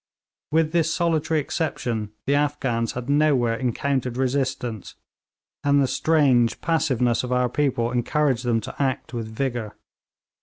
With this solitary exception the Afghans had nowhere encountered resistance, and the strange passiveness of our people encouraged them to act with vigour.